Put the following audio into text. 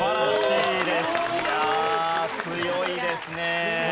いや強いですね。